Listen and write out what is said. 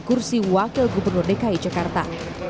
kursi wakil gubernur dki jakarta